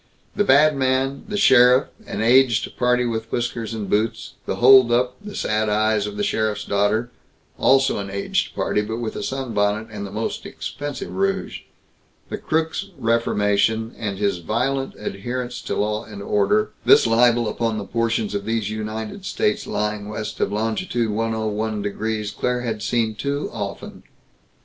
The badman, the sheriff an aged party with whiskers and boots the holdup, the sad eyes of the sheriff's daughter also an aged party, but with a sunbonnet and the most expensive rouge the crook's reformation, and his violent adherence to law and order; this libel upon the portions of these United States lying west of longitude 101° Claire had seen too often.